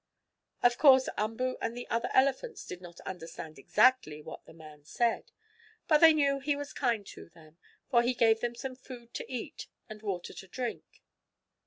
Of course Umboo and the other elephants did not understand exactly what the man said, but they knew he was kind to them, for he gave them some food to eat and water to drink.